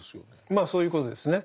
まあそういうことですね。